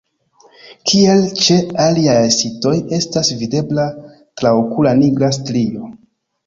Kiel ĉe aliaj sitoj estas videbla traokula nigra strio.